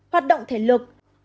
hoạt động thể lực